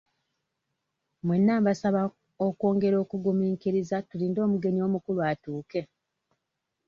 Mwenna mbasaba okwongera okugumiikiriza tulinde omugenyi omukulu atuuke.